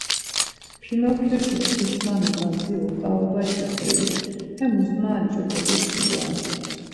Pinokyoşi opişmanu na dziru ǩaobaşi perik hemus nanç̌u do ǩitxu doren.